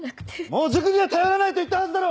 もう塾には頼らないと言ったはずだろ！